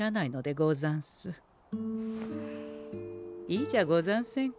いいじゃござんせんか。